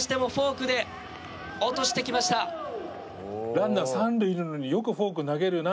ランナー三塁にいるのによくフォーク投げるな。